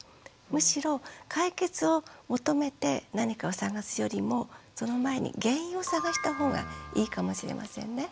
むしろ解決を求めて何かを探すよりもその前に原因を探した方がいいかもしれませんね。